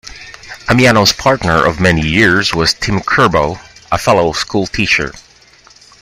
Ammiano's partner of many years was Tim Curbo, a fellow schoolteacher.